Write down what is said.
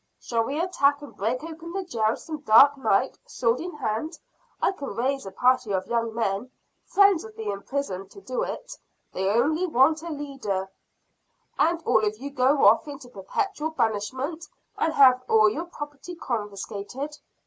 "Shall we attack and break open the jail some dark night, sword in hand? I can raise a party of young men, friends of the imprisoned, to do it; they only want a leader." "And all of you go off into perpetual banishment and have all your property confiscated?"